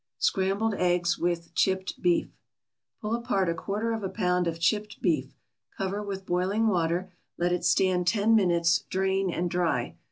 SCRAMBLED EGGS WITH CHIPPED BEEF Pull apart a quarter of a pound of chipped beef, cover with boiling water, let it stand ten minutes, drain and dry.